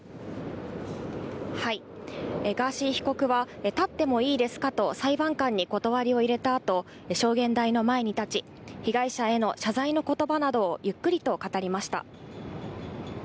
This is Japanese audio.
ガーシー被告は、立ってもいいですかと裁判官に断りを入れたあと、証言台の前に立ち、被害者への謝罪のことばなどをゆっくりと語りました。